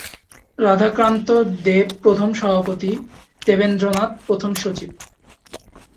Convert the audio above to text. রাধাকান্ত দেব প্রথম সভাপতি, দেবেন্দ্রনাথ প্রথম সচিব।